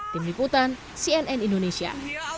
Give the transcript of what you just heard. tim liputan cnn indonesia